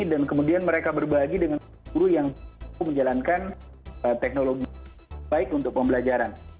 dan kemudian mereka berbagi dengan guru yang menjalankan teknologi yang baik untuk pembelajaran